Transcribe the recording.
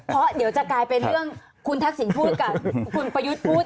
เพราะเดี๋ยวจะกลายเป็นเรื่องคุณทักษิณพูดกับคุณประยุทธ์พูด